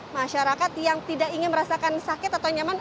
jadi bagi masyarakat yang tidak ingin merasakan sakit atau nyaman